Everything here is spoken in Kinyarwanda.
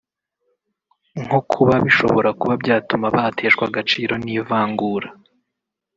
nko kuba bishobora kuba byatuma bateshwa agaciro n’ivangura